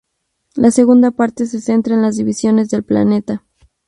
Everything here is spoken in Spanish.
La segunda parte se centra en las divisiones del planeta.